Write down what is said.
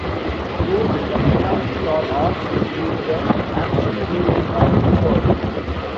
Those in the minority are asked to give the action they would have preferred.